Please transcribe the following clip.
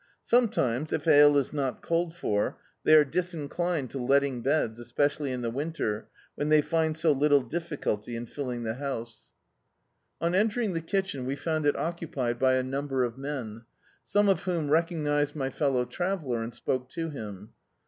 Sometimes, if ale is not called for, they are disinclined to letting beds, especially in the winter, when they find so little difficulty in filling the bouse. Dictzed by Google The Autobiography of a Super Tramp On entering the kitchen we found it occupied by a number of men, some of whom recognised my fellow traveller, and spoke to him.